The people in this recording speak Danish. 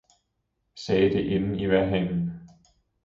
sagde det inden i vejrhanen.